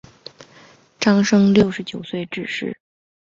张升六十九岁致仕。